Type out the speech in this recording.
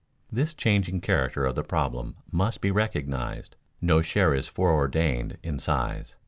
This changing character of the problem must be recognized; no share is foreordained in size.